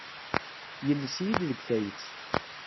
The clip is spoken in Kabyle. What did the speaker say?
Yelles-iyi-d deg tayet.